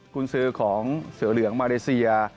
คุณซื้อของเสือเหลืองมาเลเซีย